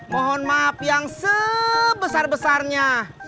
mohon maaf yang sebesar besarnya